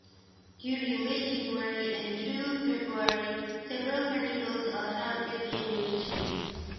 During Late January and through February, several carnivals are held within the region.